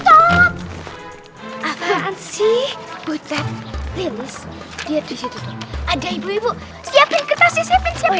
stop apaan sih buta pilih dia disitu ada ibu ibu siapin kertasnya siapin siapin